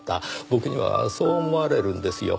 僕にはそう思われるんですよ。